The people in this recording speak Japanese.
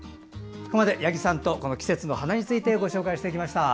ここまで八木さんと季節の花についてご紹介してきました。